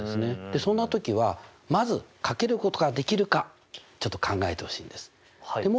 そんな時はまずかけることができるかちょっと考えてほしいんです。